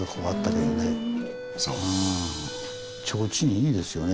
提灯いいですよね